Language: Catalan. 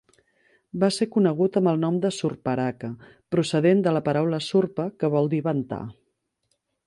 Va ser conegut amb el nom de "Surparaka", procedent de la paraula "Surpa" que vol dir ventar.